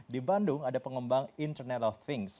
di bandung ada pengembang internet of things